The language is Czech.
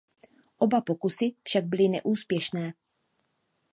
Oba pokusy však byly neúspěšné.